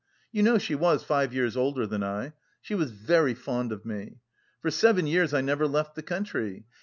You know she was five years older than I. She was very fond of me. For seven years I never left the country.